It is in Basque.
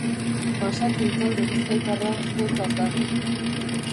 Basaki talde bizkaitarra bueltan da.